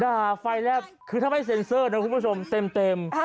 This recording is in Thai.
ไฟแลบคือถ้าไม่เซ็นเซอร์นะคุณผู้ชมเต็ม